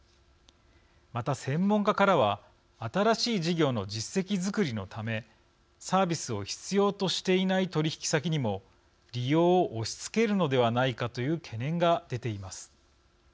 また、専門家からは新しい事業の実績作りのためサービスを必要としていない取引先にも利用を押し付けるのではないかという懸念が出ています。